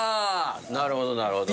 なるほどなるほど。